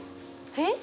えっ？